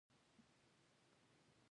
وحشته ستا په زړه کې څـه پاتې دي